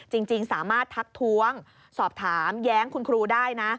จริงสามารถทักท้วงสอบถามแย้งคุณครูได้นะ